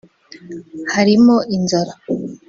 harimo inzara